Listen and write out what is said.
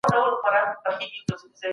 د ټولني د پخوانیو اصولو ژغورل مهم دي.